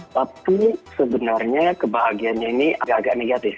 tapi sebenarnya kebahagiaannya ini agak agak negatif